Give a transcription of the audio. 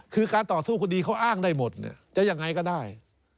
คือการต่อสู้คดีเขาอ้างได้หมดจะยังไงก็ได้